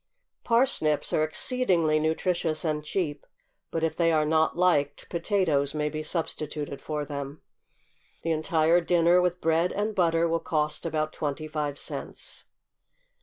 Parsnips are exceedingly nutritious and cheap, but if they are not liked potatoes may be substituted for them. The entire dinner with bread and butter will cost about twenty five cents.